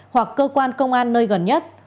hoặc cơ quan công an nơi gần nhất